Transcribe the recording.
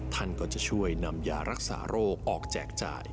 ท่านก็จะช่วยนำยารักษาโรคออกแจกจ่าย